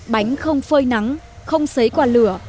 bánh không phơi nắng không xấy qua lửa